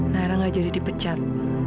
nara nggak jadi dipecat